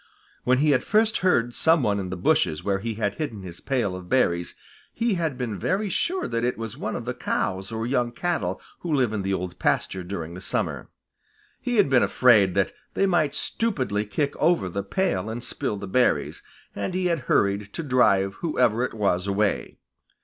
When he had first heard some one in the bushes where he had hidden his pail of berries, he had been very sure that it was one of the cows or young cattle who live in the Old Pasture during the summer. He had been afraid that they might stupidly kick over the pail and spill the berries, and he had hurried to drive whoever it was away.